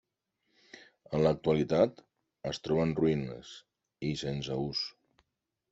En l'actualitat, es troba en ruïnes i sense ús.